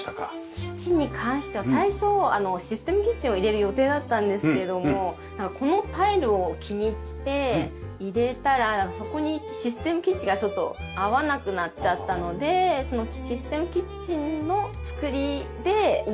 キッチンに関しては最初システムキッチンを入れる予定だったんですけどもこのタイルを気に入って入れたらそこにシステムキッチンが合わなくなっちゃったのでそのシステムキッチンの作りで表だけ違う感じに。